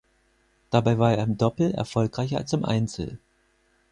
Dabei war er im Doppel erfolgreicher als im Einzel.